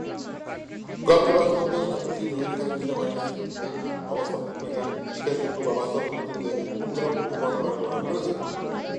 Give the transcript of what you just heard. গল্পের বাস্তবতার সাপেক্ষে জহির এখানে কিছুটা মার্কেসীয় রীতিতে অবাস্তব ঘটনাকে বিশ্বাসযোগ্য বা বাস্তব করে তুলতে পুঙ্খানুপুঙ্খ বর্ণনার ব্যবহার করেছেন।